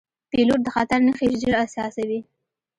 پیلوټ د خطر نښې ژر احساسوي.